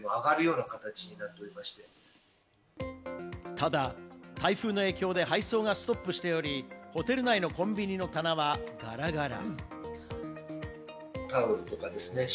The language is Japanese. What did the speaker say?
ただ、台風の影響で配送がストップしており、ホテル内のコンビニの棚はガラガラ。